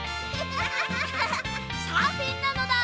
サーフィンなのだ！